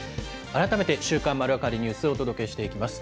改めて週刊まるわかりニュースお届けしていきます。